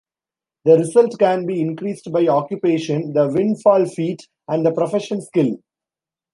The result can be increased by occupation, the Windfall feat, and the Profession skill.